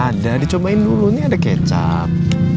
ada dicobain dulu nih ada kecap